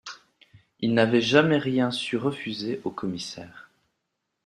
Il n’avait jamais rien su refuser au commissaire